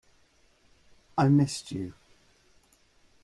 I missed you.